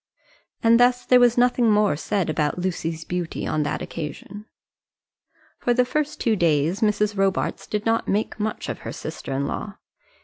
And thus there was nothing more said about Lucy's beauty on that occasion. For the first two days Mrs. Robarts did not make much of her sister in law.